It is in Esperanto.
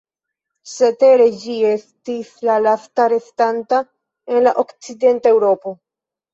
Cetere ĝi estis la lasta restanta en la Okcidenta Eŭropo.